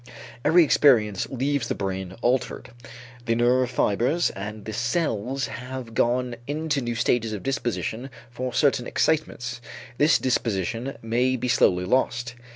Every experience leaves the brain altered. The nerve fibers and the cells have gone into new stages of disposition for certain excitements. This disposition may be slowly lost.